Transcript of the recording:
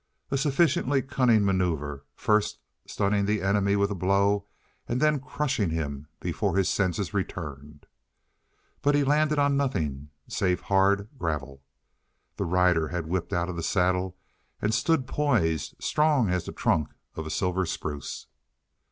A sufficiently cunning maneuver first stunning the enemy with a blow and then crushing him before his senses returned. But he landed on nothing save hard gravel. The rider had whipped out of the saddle and stood poised, strong as the trunk of a silver spruce.